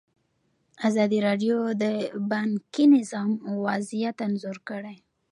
ازادي راډیو د بانکي نظام وضعیت انځور کړی.